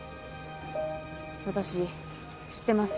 私知ってます。